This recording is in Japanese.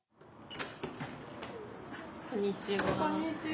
こんにちは。